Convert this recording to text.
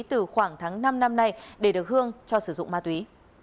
từ khoảng tháng năm năm nay để được hương cho sử dụng ma túy